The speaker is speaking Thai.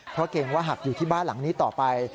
เพราะเกรงว่าหากอยู่ที่บ้านหลังนี้ต่อไป